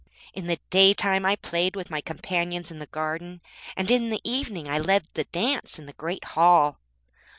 In the daytime I played with my companions in the garden, and in the evening I led the dance in the Great Hall.